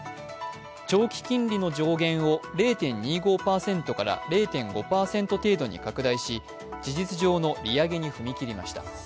長期金利の上限を０．２５％から０．５％程度に拡大し事実上の利上げに踏み切りました。